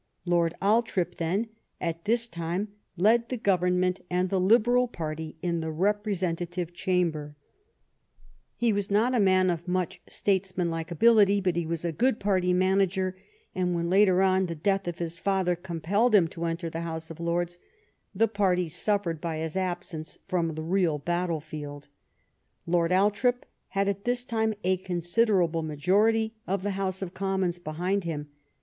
Lord Althorp, then, at this time led the Govern ment and the Liberal party in the Representative Chamber, He was not a man of much statesman GLADSTONE'S FIRST PARLIAMENT 43 like ability, but he was a good party manager, and when, later on, the death of his father compelled him to enter the House of Lords, the party suf fered by his absence from the real battlefield. Lord Althorp had at this time a considerable ma jority of the House of Commons behind him.